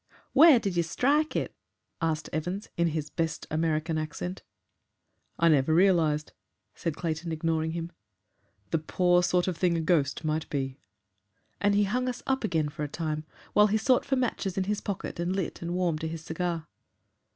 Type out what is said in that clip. "Where did you strike it?" asked Evans, in his best American accent. "I never realised," said Clayton, ignoring him, "the poor sort of thing a ghost might be," and he hung us up again for a time, while he sought for matches in his pocket and lit and warmed to his cigar.